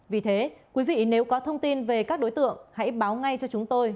vì thế quý vị nếu có thông tin về các đối tượng hãy báo ngay cho chúng tôi